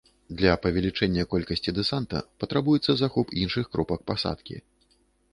Для павелічэння колькасці дэсанта патрабуецца захоп іншых кропак пасадкі.